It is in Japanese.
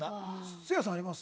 せいやさんあります？